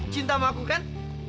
cinta sama aku kan